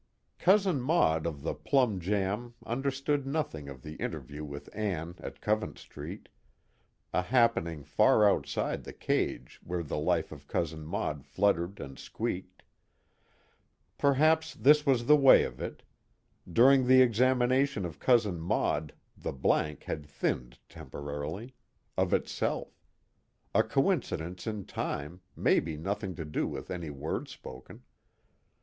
Cousin Maud of the Plum Jam understood nothing of the interview with Ann at Covent Street, a happening far outside the cage where the life of Cousin Maud fluttered and squeaked. Perhaps this was the way of it: during the examination of Cousin Maud the Blank had thinned temporarily, of itself; a coincidence in time, maybe nothing to do with any word spoken.